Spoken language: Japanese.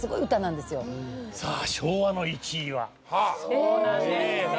そうなんですね。